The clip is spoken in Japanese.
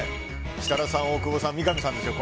設楽さん大久保さん、三上さんですよ。